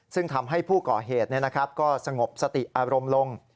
ซึ่งทำให้ผู้ก่อเหตุก็สงบสติอารมณ์ลง